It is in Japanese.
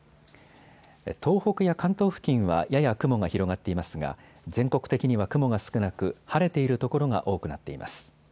東北や関東付近はやや雲が広がっていますが全国的には雲が少なく晴れている所が多くなっています。